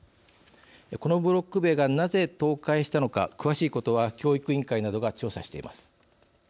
このブロック塀がなぜ倒壊したのか詳しいことは教育委員会などが調査しています。